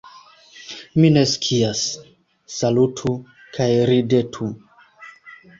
Mi ne scias. Salutu kaj ridetu...